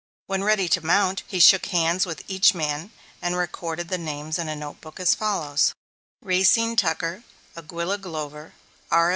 When ready to mount, he shook hands with each man, and recorded the names in a note book as follows: Racine Tucker, Aguilla Glover, R.